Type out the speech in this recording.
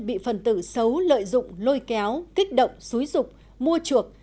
bị phần tử xấu lợi dụng lôi kéo kích động xúi rục mua chuộc